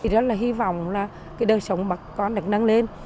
rất là hy vọng là đời sống bà con được nâng lên